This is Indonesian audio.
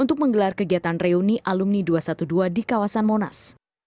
untuk menggelar kegiatan reuni alumni dua ratus dua belas di kawasan monas